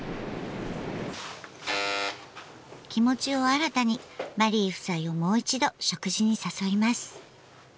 気持ちを新たにマリー夫妻をもう一度食事に誘います。